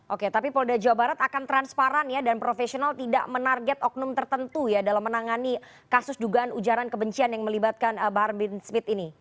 oke tapi polda jawa barat akan transparan dan profesional tidak menarget oknum tertentu ya dalam menangani kasus dugaan ujaran kebencian yang melibatkan bahar bin smith ini